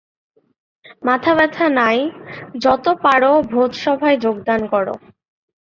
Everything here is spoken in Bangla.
মাথা-ব্যথা নাই, যত পার ভোজসভায় যোগদান কর।